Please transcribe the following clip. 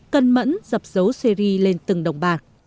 cân mẫn dập dấu xê ri lên từng đồng bạc